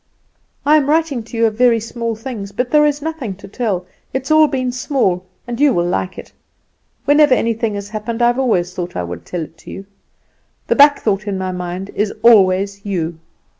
"I am writing to you of very small things, but there is nothing else to tell; it has been all small and you will like it. Whenever anything has happened I have always thought I would tell it to you. The back thought in my mind is always you.